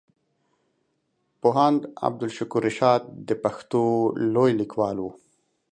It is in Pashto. پوهاند عبدالشکور رشاد د پښتو لوی ليکوال وو.